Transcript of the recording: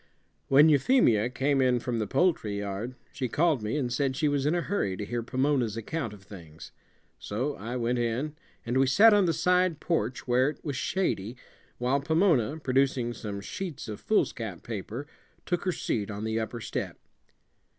When Euphemia came in from the poultry yard, she called me and said she was in a hurry to hear Pomona's account of things. So I went in, and we sat on the side porch, where it was shady, while Pomona, producing some sheets of foolscap paper, took her seat on the upper step.